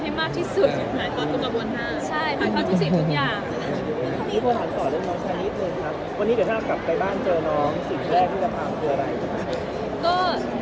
สิ่งแรกที่จะพาเขาคืออะไร